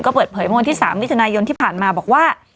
ก็เปิดเผยโมงที่๓วิทยานายนที่ผ่านมาบอกว่า